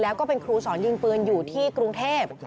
แล้วก็เป็นครูสอนยิงปืนอยู่ที่กรุงเทพ